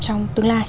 trong tương lai